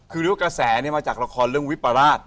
คือเรื่องกระแสเนี่ยมาจากละครเรื่องวิปราศ